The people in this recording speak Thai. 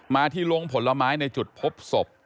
ที่ลงผลไม้ในจุดพบศพ